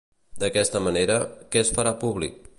D'aquesta manera, què es farà públic?